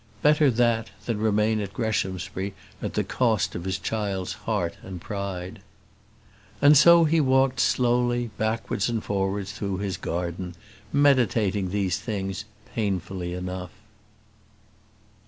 Better that than remain at Greshamsbury at the cost of his child's heart and pride. And so he walked slowly backwards and forwards through his garden, meditating these things painfully enough.